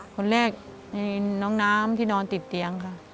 คนแรกในน้องน้ำที่นอนติดเตียงค่ะ